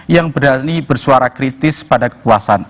yang berani bersuara kritis pada kekuasaan